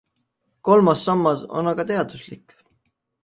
Kolmas sammas on aga teaduslik.